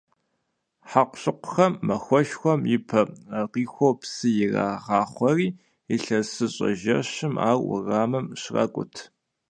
Хьэкъущыкъухэм махуэшхуэм и пэ къихуэу псы ирагъахъуэри, илъэсыщӀэ жэщым ар уэрамым щракӀут.